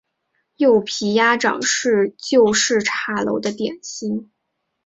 柚皮鸭掌是旧式茶楼的点心。